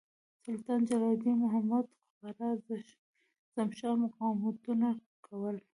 سلطان جلال الدین محمد خوارزمشاه مقاومتونه کول.